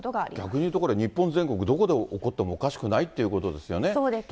逆に言うと、日本全国どこで起こってもおかしくないっていうそうですね。